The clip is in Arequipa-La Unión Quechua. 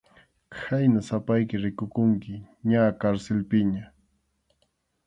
Khayna sapayki rikukunki ña karsilpiña.